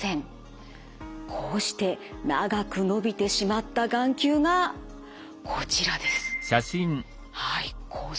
こうして長く伸びてしまった眼球がこちらです。